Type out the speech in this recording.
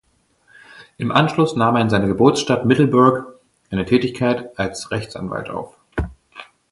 Im Anschluss nahm er in seiner Geburtsstadt Middelburg eine Tätigkeit als Rechtsanwalt auf.